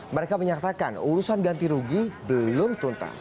mereka menyatakan urusan ganti rugi belum tuntas